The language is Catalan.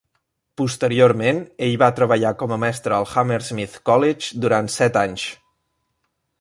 Posteriorment, ell va treballar com a mestre al Hammersmith College durant set anys.